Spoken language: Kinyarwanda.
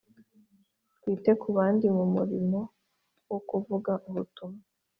twite ku bandi mu murimo wo kuvuga ubutumwa